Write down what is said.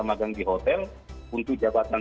magang di hotel untuk jabatan